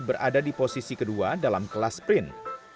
berada di posisi kedua dalam kelas sprint